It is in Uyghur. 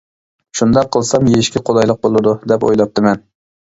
شۇنداق قىلسام يېيىشكە قولايلىق بولىدۇ، دەپ ئويلاپتىمەن.